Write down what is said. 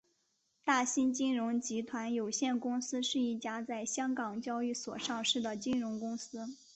大新金融集团有限公司是一家在香港交易所上市的金融公司。